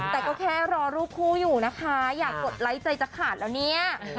แต่ก็แค่รอรูปคู่อยู่นะคะอยากกดไลค์ใจจะขาดแล้วเนี่ย